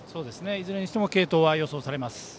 いずれにしても継投は予想されますね。